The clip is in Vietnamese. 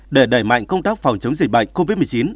để đẩy mạnh công tác phòng chống dịch bệnh covid một mươi chín